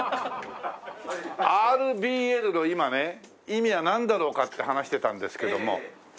意味はなんだろうかって話してたんですけども。